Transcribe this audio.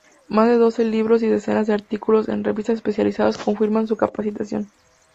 Más de doce libros y decenas de artículos en revistas especializadas confirman su capacitación.